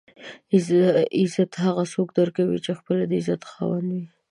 عزت هغه څوک درکوي چې خپله د عزت خاوند وي.